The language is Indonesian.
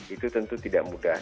itu tentu tidak mudah